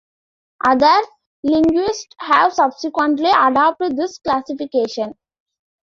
Other linguists have subsequently adopted this classification.